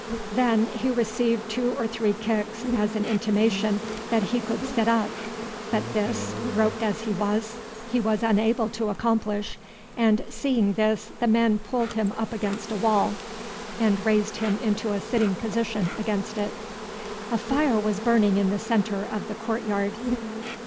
Then he received two or three kicks as an intimation that he could sit up; but this, roped as he was, he was unable to accomplish, and seeing this the men pulled him against a wall and raised him into a sitting position against it. A fire was burning in the centre of the court yard.